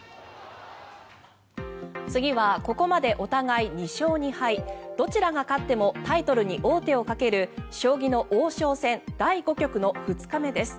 次はここまでお互い２勝２敗どちらが勝ってもタイトルに王手をかける将棋の王将戦第５局の２日目です。